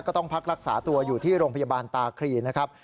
ต้องพักรักษาตัวอยู่ที่โรงพยาบาลตาครีนะครับ